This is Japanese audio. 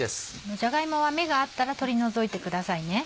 じゃが芋は芽があったら取り除いてくださいね。